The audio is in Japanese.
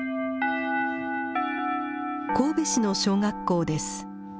神戸市の小学校です。